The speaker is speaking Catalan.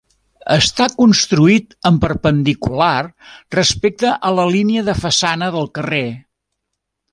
Està construït en perpendicular respecte a la línia de façana del carrer.